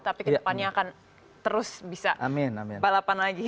tapi kedepannya akan terus bisa balapan lagi